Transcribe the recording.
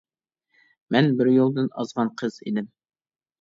مەن بىر يولدىن ئازغان قىز ئىدىم.